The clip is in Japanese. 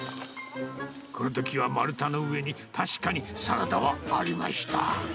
このときは丸太の上に、確かにサラダはありました。